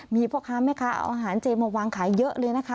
มีพ่อค้าแม่ค้าเอาอาหารเจมาวางขายเยอะเลยนะคะ